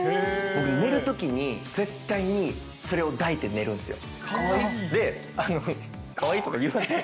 僕、寝るときに、絶対にそれを抱いて寝るんですよ。